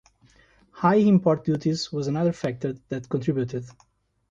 High import duties was another factor that contributed.